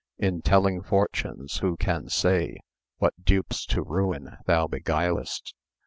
In telling fortunes who can say What dupes to ruin thou beguilest?